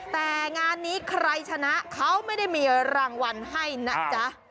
แต่งานนี้ใครชนะเขาไม่ได้มีรางวัลให้นะจ๊ะ